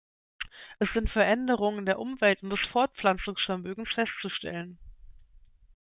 Es sind Veränderungen der Umwelt und des Fortpflanzungsvermögens festzustellen.